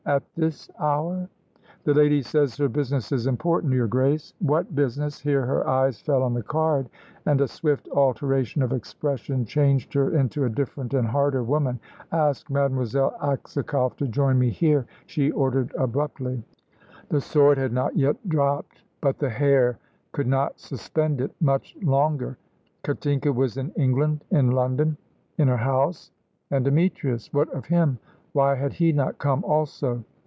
"At this hour?" "The lady says her business is important, your Grace." "What business ?" here her eyes fell on the card, and a swift alteration of expression changed her into a different and harder woman. "Ask Mademoiselle Aksakoff to join me here," she ordered abruptly. The sword had not yet dropped, but the hair could not suspend it much longer. Katinka was in England, in London, in her house. And Demetrius? What of him? Why had he not come also?